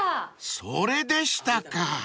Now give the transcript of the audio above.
［それでしたか］